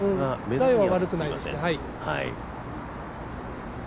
ライは悪くないですね。